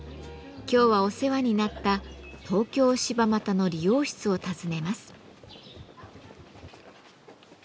今日はお世話になった東京・柴又の理容室を訪ねます。